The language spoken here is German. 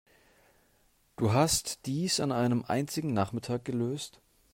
Du hast dies an einem einzigen Nachmittag gelöst?